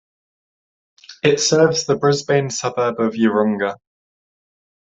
It serves the Brisbane suburb of Yeronga.